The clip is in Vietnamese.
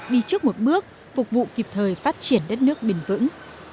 đi trước một bước phục vụ kịp thời phát triển đất nước bền vững